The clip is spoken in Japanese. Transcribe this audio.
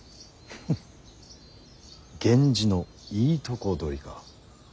フッ源氏のいいとこ取りか。